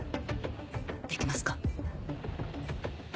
できますか？